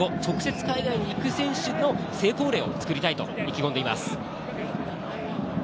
高校卒業後、直接、海外に行く成功例を作りたいと意気込んでいます。